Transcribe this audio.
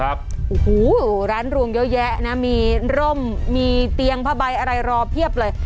โอ้โหร้านรวงเยอะแยะนะมีร่มมีเตียงผ้าใบอะไรรอเพียบเลย